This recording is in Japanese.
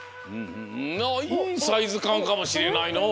いいサイズかんかもしれないのう。